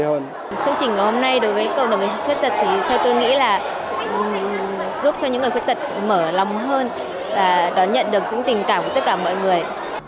chương trình của hôm nay đối với cộng đồng người khuyết tật thì theo tôi nghĩ là giúp cho những người khuyết tật mở lòng hơn và đón nhận được những tình cảm của tất cả mọi người